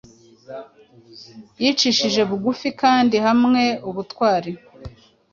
Yicishije bugufi kandi hamwe ubutwari